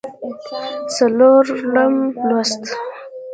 څلورم لوست